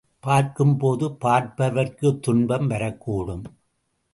பார்க்கும்போது பார்ப்பவர்க்கு துன்பமும் வரக்கூடும்.